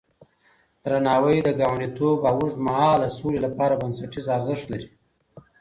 درناوی د ګاونډيتوب او اوږدمهاله سولې لپاره بنسټيز ارزښت لري.